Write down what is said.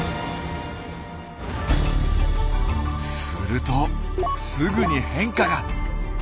するとすぐに変化が。